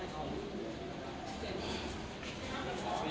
สวัสดีครับคุณผู้ชม